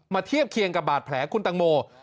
เทียบเคียงกับบาดแผลคุณตังโม